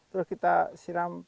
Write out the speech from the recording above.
terus kita siram